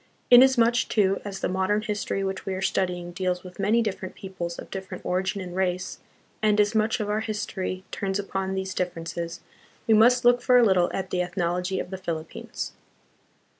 Inasmuch, too, as the modern history which we are studying deals with many different peoples of different origin and race, and as much of our history turns upon these differences, we must look for a little at the ethnology of the Philip pines.